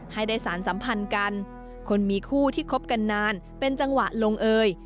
ให้ได้สารสัมพันธ์กันคนมีคู่ที่คบกันนานเป็นจังหวะลงเอย